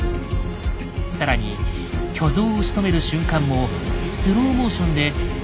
更に巨像をしとめる瞬間もスローモーションで生々しく